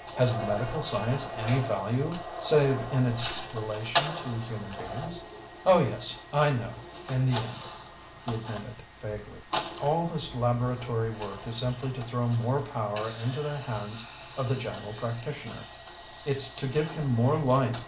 "Has medical science any value save in its relation to human beings?" "Oh yes, I know in the end," he admitted vaguely. "All this laboratory work is simply to throw more power into the hands of the general practitioner. It's to give him more light.